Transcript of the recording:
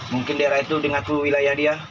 mungkin daerah itu dengaku wilayah dia